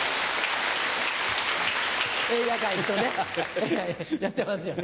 映画館行くとねやってますよね。